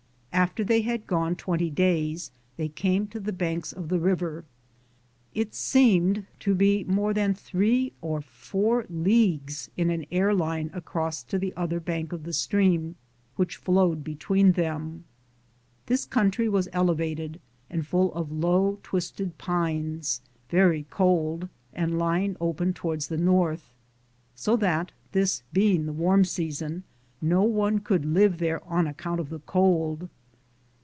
After they had gone twenty days they came to the banks of the river. It seemed to be more than 3 or 4 leagues in an air line across to the other bank of the stream which flowed be tween them. This country was elevated and full or low twisted pines, very cold, and lying open tow ard the north, so that, this being the wans season, no one could live there on account of the cold.